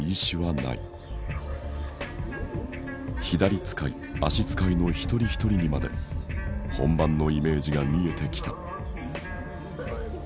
左遣い足遣いの一人一人にまで本番のイメージが見えてきた。